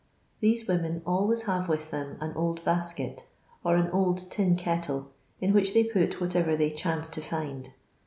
These I women always have with them an old basket or j an oU tin kettle, ^i which they put whatever they | chance to find.